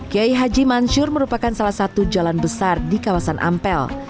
kiai haji mansur merupakan salah satu jalan besar di kawasan ampel